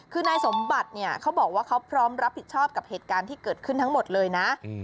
คือนายสมบัติเนี่ยเขาบอกว่าเขาพร้อมรับผิดชอบกับเหตุการณ์ที่เกิดขึ้นทั้งหมดเลยนะ